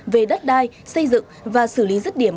về đất đai xây dựng và xử lý rứt điểm